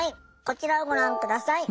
こちらをご覧下さい。